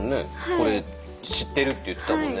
これ知ってるって言ってたもんね。